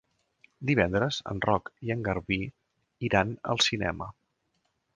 Divendres en Roc i en Garbí iran al cinema.